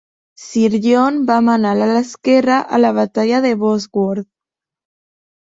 Sir John va manar l'ala esquerra a la batalla de Bosworth.